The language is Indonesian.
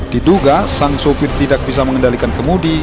diduga sang sopir tidak bisa mengendalikan kemudi